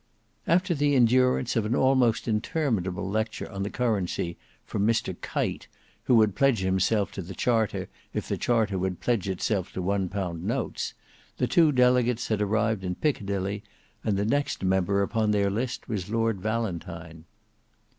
After the endurance of an almost interminable lecture on the currency from Mr KITE, who would pledge himself to the charter if the charter would pledge itself to one pound notes, the two delegates had arrived in Piccadilly, and the next member upon their list was Lord Valentine.